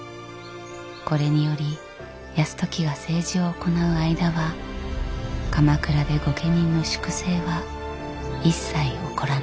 これにより泰時が政治を行う間は鎌倉で御家人の粛清は一切起こらない。